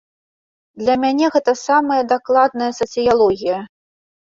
Для мяне гэта самая дакладная сацыялогія.